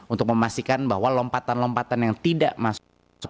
untuk memastikan bahwa lompatan lompatan yang tidak masuk